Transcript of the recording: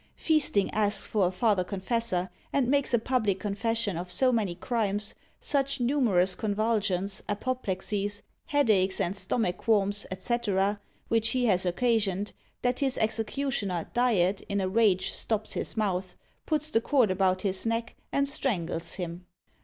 Feasting asks for a father confessor, and makes a public confession of so many crimes, such numerous convulsions, apoplexies, head aches, and stomach qualms, &c., which he has occasioned, that his executioner Diet in a rage stops his mouth, puts the cord about his neck, and strangles him.